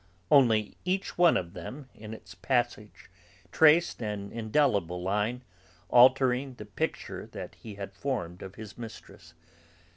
Only, each one of them in its passage traced an indelible line, altering the picture that he had formed of his mistress.